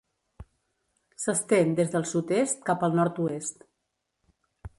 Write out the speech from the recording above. S'estén des del sud-est cap al nord-oest.